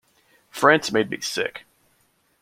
France made me sick.